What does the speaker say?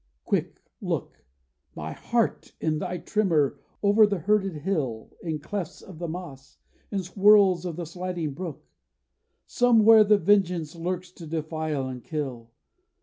Quick, look, My heart! in thy tremor, over the herded hill, In clefts of the moss, in swirls of the sliding brook: Somewhere the Vengeance lurks to defile and kill!